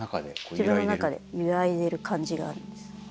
自分の中で揺らいでる感じがあるんです。